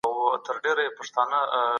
مينه دې جرم سوه جانانه